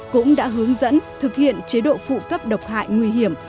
cũng đã hướng dẫn thực hiện chế độ phụ cấp độc hại nguy hiểm